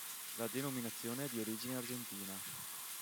La denominazione è di origine argentina.